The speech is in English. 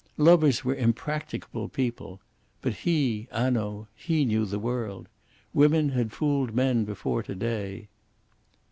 Lovers were impracticable people. But he Hanaud he knew the world. Women had fooled men before to day.